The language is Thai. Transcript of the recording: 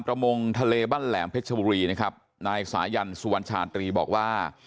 ประมงทะเลบ้านแหลมเพชรบุรีนะครับนายสายันสุวรรณชาตรีบอกว่า